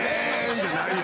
じゃないよ。